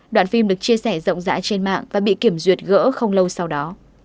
đoạn phim được chia sẻ rộng rãi trên mạng và bị kiểm duyệt gỡ không lâu sau đó